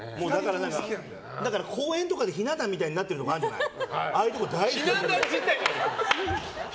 だから公園とかでひな壇みたいになってるところあるじゃない。